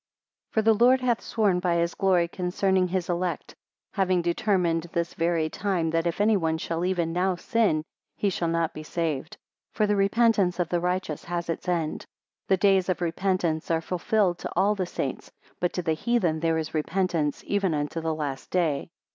14 For the Lord hath sworn by his glory concerning his elect, having determined this very time, that if any one shall even now sin, he shall not be saved. 15 For the repentance of the righteous has its end; the days of repentance are fulfilled to all the saints; but to the heathen, there is repentance even unto the last day.